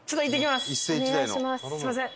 すみません。